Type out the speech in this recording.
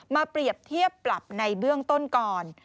เปรียบเทียบปรับในเบื้องต้นก่อน